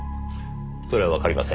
それはわかりません。